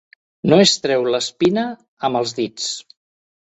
No es treu l'espina amb els dits.